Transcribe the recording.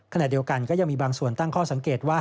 ขณะเดียวกันก็ยังมีบางส่วนตั้งข้อสังเกตว่า